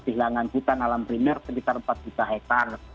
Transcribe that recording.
hilangan hutan alam brindar sekitar empat juta hektare